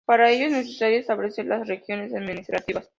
Para ello es necesario establecer las regiones administrativas.